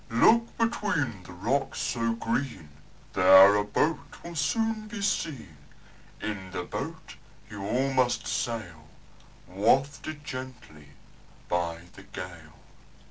"Look between the rocks so green, There a boat will soon be seen; In the boat you all must sail, Wafted gently by the gale."